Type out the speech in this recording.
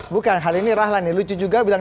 bukan hal ini rahlan nih lucu juga bilang